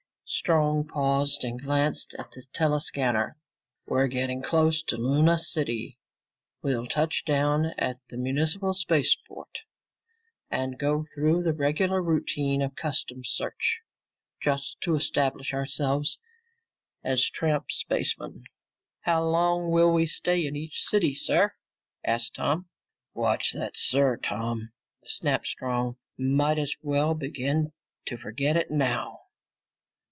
Strong paused and glanced at the tele scanner. "We're getting close to Luna City. We'll touch down at the municipal spaceport and go through the regular routine of customs search just to establish ourselves as tramp spacemen." "How long will we stay in each city, sir?" asked Tom. "Watch that 'sir,' Tom," snapped Strong. "Might as well begin to forget it now."